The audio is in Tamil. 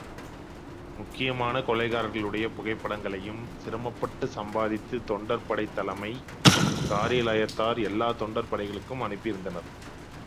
முக்கியமான கொலைகாரர்களுடைய புகைப்படங்களையும் சிரமப்பட்டுக் சம்பாதித்துத் தொண்டர் படைத் தலைமைக் காரியாலயத்தார் எல்லாத் தொண்டர் படைகளுக்கும் அனுப்பியிருந்தனர்.